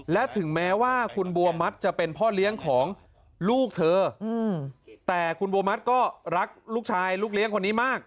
และถึงแม้ว่าคุณบัวมัติจะเป็นพ่อเลี้ยงของลูกเธอแต่คุณโบมัติก็รักลูกชายลูกเลี้ยงคนนี้มาก